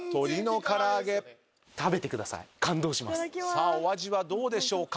さあお味はどうでしょうか？